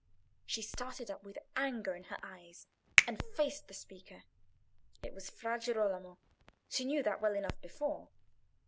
She started up with anger in her eyes, and faced the speaker. It was Fra Girolamo: she knew that well enough before.